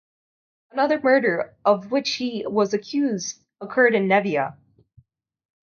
Another murder of which he was accused occurred in Neiva.